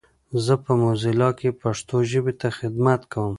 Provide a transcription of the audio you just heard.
زه په موزیلا کې پښتو ژبې ته خدمت کوم.